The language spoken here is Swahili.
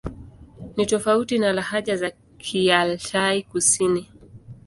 Ni tofauti na lahaja za Kialtai-Kusini.